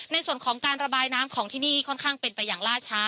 ในส่วนของการระบายน้ำของที่นี่ค่อนข้างเป็นไปอย่างล่าช้า